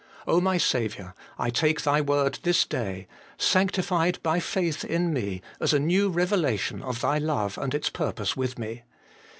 O my Saviour ! I take Thy word this day, ' Sanctified by faith in me/ as a new revelation of Thy love and its purpose with me.